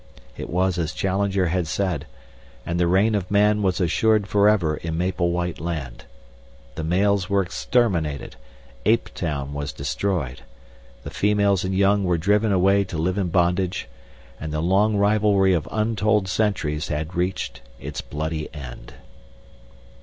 It was as Challenger had said, and the reign of man was assured forever in Maple White Land. The males were exterminated, Ape Town was destroyed, the females and young were driven away to live in bondage, and the long rivalry of untold centuries had reached its bloody end.